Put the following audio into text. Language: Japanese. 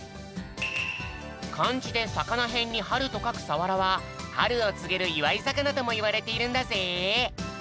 かんじでさかなへんにはるとかくさわらははるをつげるいわいざかなともいわれているんだぜ！